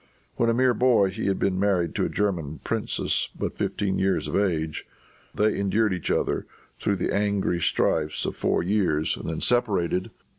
When a mere boy he had been married to a German princess, but fifteen years of age. They endured each other through the angry strifes of four years and then separated.